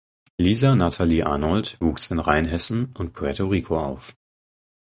Lisa Natalie Arnold wuchs in Rheinhessen und Puerto Rico auf.